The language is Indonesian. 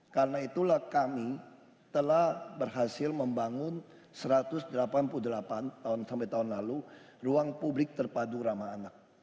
karena itulah kami telah berhasil membangun satu ratus delapan puluh delapan tahun sampai tahun lalu ruang publik terpadu ramah anak